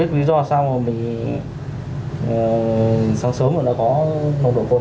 anh chọc ảnh được không